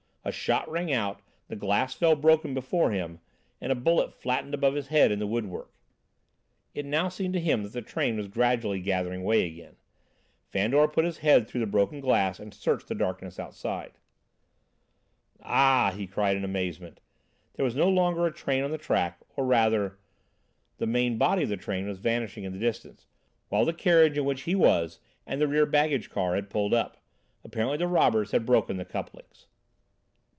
A shot rang out, the glass fell broken before him, and a bullet flattened above his head in the woodwork. It now seemed to him that the train was gradually gathering way again. Fandor put his head through the broken glass and searched the darkness outside. "Ah!" he cried in amazement. There was no longer a train on the track, or rather, the main body of the train was vanishing in the distance, while the carriage in which he was and the rear baggage car had pulled up. Apparently the robbers had broken the couplings.